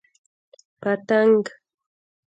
🦋 پتنګ